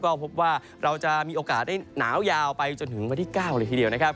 ก็พบว่าเราจะมีโอกาสได้หนาวยาวไปจนถึงวันที่๙เลยทีเดียวนะครับ